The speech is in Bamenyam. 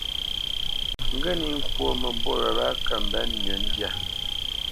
Ŋge níʼ ŋkwó mə́mbû wě wa kə mbenə́ nʉ́ ndyâ.